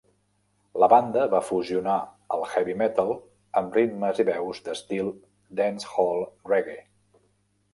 La banda va fusionar el heavy metal amb ritmes i veus d'estil dancehall reggae.